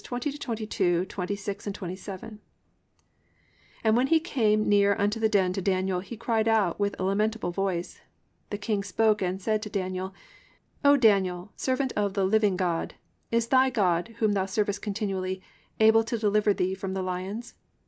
+"And when he came near unto the den to Daniel, he cried with a lamentable voice: the king spake and said to Daniel, O Daniel, servant of the living God, is thy God, whom thou servest continually, able to deliver thee from the lions?